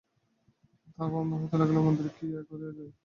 তাঁহার ভাবনা হইতে লাগিল, মন্দিরে কী করিয়া যাই।